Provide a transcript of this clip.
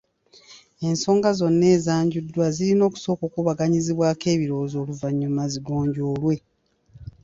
Ensonga zonna ezanjuddwa zirina okusooka okukubaganyizibwako ebirowoozo oluvannyuma zigonjoolwe.